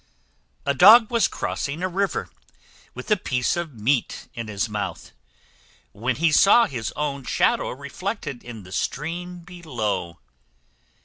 A Dog was crossing a river, with a piece of meat in his mouth, when he saw his own shadow reflected in the stream below.